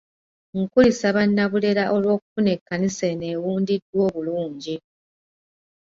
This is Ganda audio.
Nkulisa Bannabulera olw'okufuna ekkanisa eno ewundiddwa obulungi.